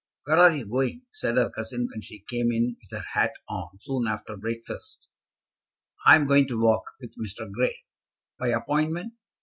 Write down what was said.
"Where are you going?" said her cousin, when she came in with her hat on, soon after breakfast. "I am going to walk, with Mr. Grey." "By appointment?"